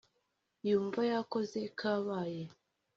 yumvaga yakoze kabaye